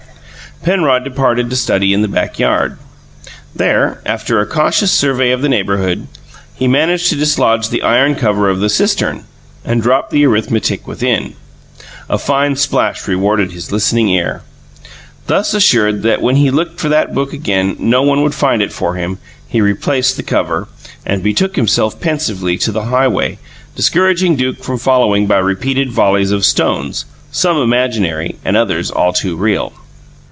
Penrod departed to study in the backyard. There, after a cautious survey of the neighbourhood, he managed to dislodge the iron cover of the cistern, and dropped the arithmetic within. A fine splash rewarded his listening ear. Thus assured that when he looked for that book again no one would find it for him, he replaced the cover, and betook himself pensively to the highway, discouraging Duke from following by repeated volleys of stones, some imaginary and others all too real.